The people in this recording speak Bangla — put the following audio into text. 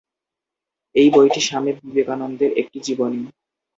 এই বইটি স্বামী বিবেকানন্দের একটি জীবনী।